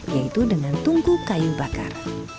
yaitu dengan tungku kayu bakar